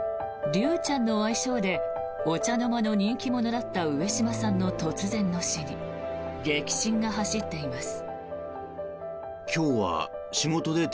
竜ちゃんの愛称でお茶の間の人気者だった上島さんの突然の死に激震が走っています。